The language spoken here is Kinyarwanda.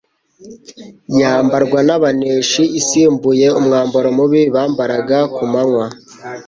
yambarwa n'abaneshi isimbuye umwambaro mubi bambaraga ku manywa,